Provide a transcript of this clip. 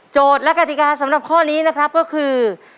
และกติกาสำหรับข้อนี้นะครับก็คือ